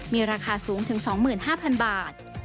มีราคาสูงถึง๒๕๐๐๐บาท